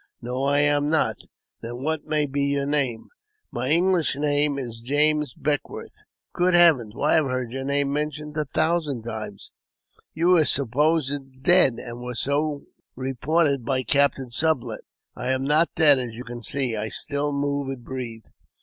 " No, I am not." " Then what may be your name ?"" My name in English is James Beckwourth." " Good heavens ! why I have heard your name mentioned a thousand times. You were supposed dead, and were so re ported by Captain Sublet." *' I am not dead, as you see ; I still move and breathe."